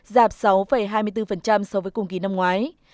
giảm sáu hai mươi bốn so với cùng kỳ năm ngoái